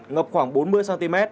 ngập khoảng bốn mươi cm